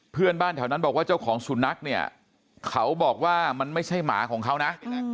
เพื่อนบ้านแถวนั้นบอกว่าเจ้าของสุนัขเนี่ยเขาบอกว่ามันไม่ใช่หมาของเขานะ